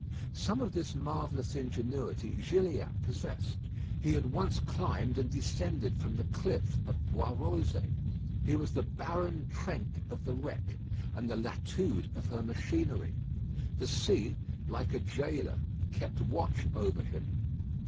Some of this marvellous ingenuity Gilliatt possessed. He had once climbed and descended from the cliff at Boisrosé. He was the Baron Trenck of the wreck, and the Latude of her machinery. The sea, like a jailor, kept watch over him.